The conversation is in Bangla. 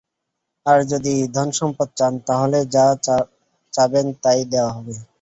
আর যদি ধনসম্পদ চান, তাহলে যা চাবেন তাই দেয়া হবে।